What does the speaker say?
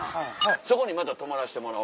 そこにまた泊まらしてもらおう。